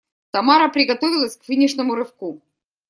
Тамара приготовилась к финишному рывку.